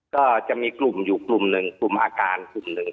ก็จะมีกลุ่มอยู่กลุ่มหนึ่งกลุ่มอาการกลุ่มหนึ่ง